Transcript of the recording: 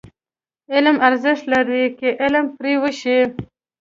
علم ارزښت لري، که عمل پرې وشي.